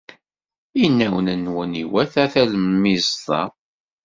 Inaw-nnem iwata talemmiẓt-a.